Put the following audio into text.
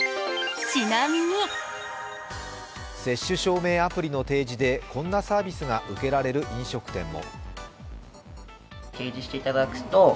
接種証明アプリの提示でこんなサービスが受けられる飲食店も。